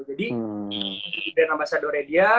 jadi jadi brand ambassador nya dia